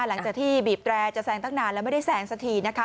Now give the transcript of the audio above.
หลังจากที่บีบแตรจะแซงตั้งนานแล้วไม่ได้แซงสักทีนะคะ